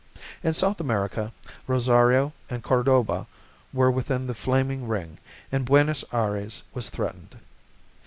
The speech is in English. In South America, Rosario and Cordoba were within the flaming ring and Buenos Aires was threatened.